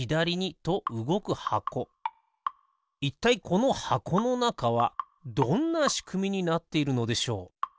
いったいこのはこのなかはどんなしくみになっているのでしょう？